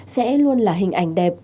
sẽ luôn là hình ảnh đẹp